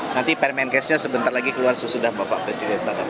nanti permengkesnya sebentar lagi keluar sesudah bapak presiden tak akan naik